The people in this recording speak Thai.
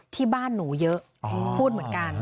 ที่บ้านหนูเยอะพูดเหมือนกัน